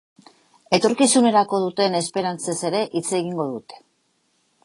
Etorkizunerako duten esperantzez ere hitz egingo dute.